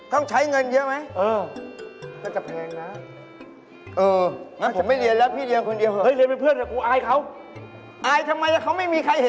ต้องใช้เงินเยอะไหมฮะใช่อะไรต้องใช้าหรือเปล่าให้ว่าได้